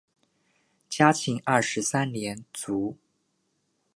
嘉庆二十三年卒。